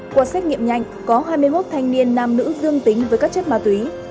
qua xét nghiệm nhanh có hai mươi một thanh niên nam nữ dương tính với các chất ma túy